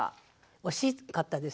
惜しかったですね。